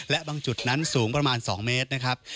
และบางจุดนั้นสูงประมาณ๒เมตรนะครับ